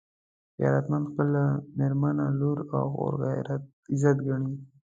غیرتمند خپله مېرمنه، لور او خور عزت ګڼي